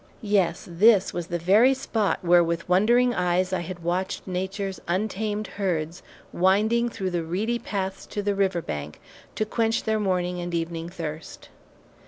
Yes, this was the very spot where with wondering eyes I had watched nature's untamed herds winding through the reedy paths to the river bank, to quench their morning and evening thirst.